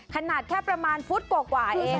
ขนาดแค่ประมาณฟุตกว่าเอง